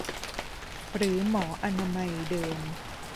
หรือหมออนามัยเดิม